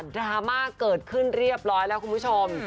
ดราม่าเกิดขึ้นเรียบร้อยแล้วคุณผู้ชม